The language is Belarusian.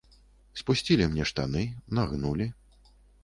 Спусцілі мне штаны, нагнулі.